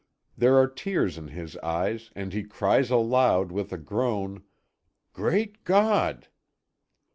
There are tears in his eyes, and he cries aloud with a groan: "Great God!"